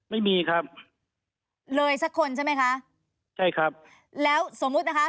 ไม่มีครับเลยสักคนใช่ไหมคะใช่ครับแล้วสมมุตินะคะ